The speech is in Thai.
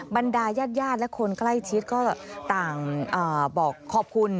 บรรดายาดและคนใกล้ชิดก็ต่างบอกขอบคุณ